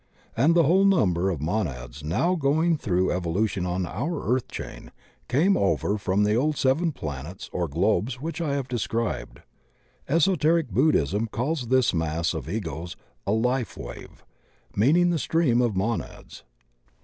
And the whole number of Monads now going through evolution on our Earth Chain came over from the old seven planets or globes which I have described. Eso teric Buddhism calls this mass of Egos a ''life wave," meaning the stream of Monads.